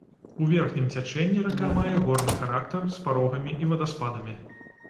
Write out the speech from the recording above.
У верхнім цячэнні рака мае горны характар, з парогамі і вадаспадамі.